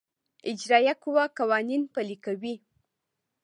اجرائیه قوه قوانین پلي کوي